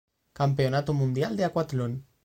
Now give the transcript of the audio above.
Campeonato Mundial de Acuatlón